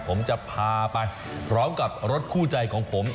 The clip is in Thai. ผมจะพาไปพร้อมกับรถคู่ใจของผม